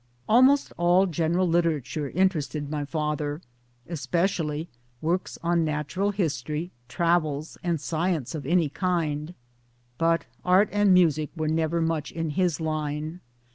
Almost all general literature interested my father k especially works on natural history, travels, and science of any kind ; but art and music were never much in his line.